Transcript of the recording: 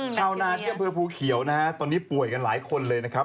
ชาวนาที่อำเภอภูเขียวนะฮะตอนนี้ป่วยกันหลายคนเลยนะครับ